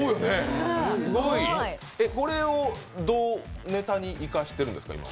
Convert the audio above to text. すごい、これをどうネタに生かしてるんですか、今？